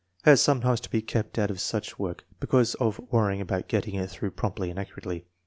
Has sometimes to be kept out of such work because of worrying about getting it through promptly and accurately.